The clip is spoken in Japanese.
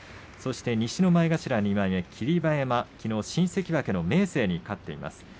西の前頭２枚目、霧馬山、きのう新関脇の明生に勝っています。